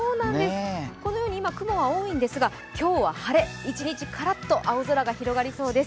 このように雲は多いんですが今日は晴れ一日カラッと青空が広がりそうです。